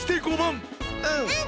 うん！